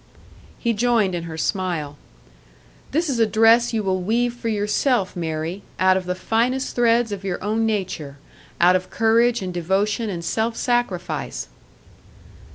He joined in her smile. "This is a dress you will weave for yourself, Mary, out of the finest threads of your own nature out of courage and devotion and self sacrifice."